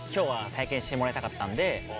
してもらいたかったんで。